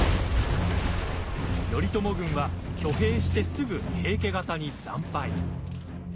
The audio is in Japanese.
頼朝軍は挙兵してすぐ平家方に惨敗。